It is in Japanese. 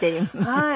はい。